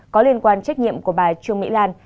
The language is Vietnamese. có liên quan trách nhiệm của bà trương mỹ lan